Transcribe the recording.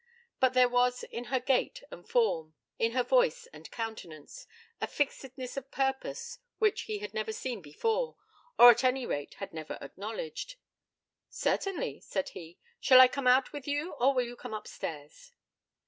But there was in her gait and form, in her voice and countenance, a fixedness of purpose which he had never seen before, or at any rate had never acknowledged. 'Certainly,' said he. 'Shall I come out with you, or will you come upstairs?'